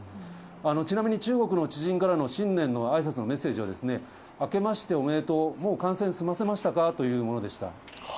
ちなみに、中国の知人からの新年のあいさつのメッセージは、あけましておめでとう、もう感染済ませましたかというものでした。